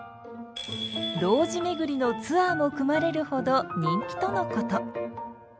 路地巡りのツアーも組まれるほど人気とのこと。